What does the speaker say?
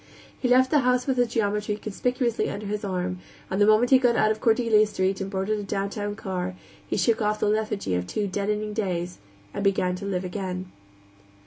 He left the house with his geometry conspicuously under his arm, and the moment he got out of Cordelia Street and boarded a downtown car, he shook off the lethargy of two deadening days and began to live again.